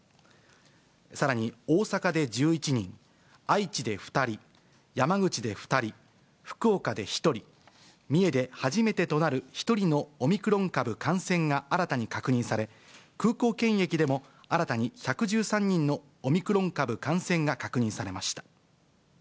さらに大阪で１１人、愛知で２人、山口で２人、福岡で１人、三重で初めてとなる１人のオミクロン株感染が新たに確認され、空港検疫でも新たに１１３人のオミクロン株感染が確認されました。